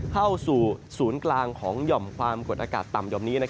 เข้าสู่ศูนย์กลางของหย่อมความกดอากาศต่ำหย่อมนี้